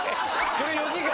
これ４時間！？